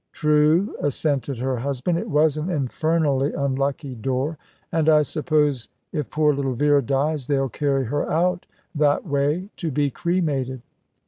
"True," assented her husband, "it was an infernally unlucky door, and I suppose if poor little Vera dies they'll carry her out that way to be cremated."